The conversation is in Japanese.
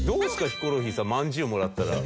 ヒコロヒーさん饅頭もらったら。